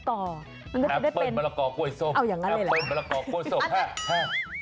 มันก็จะได้เป็นแอปเปิลมะละกอกล้วยส้มแอปเปิลมะละกอกล้วยส้มแอปเปิลมะละกอแอปเปิลมะละกอกล้วยส้ม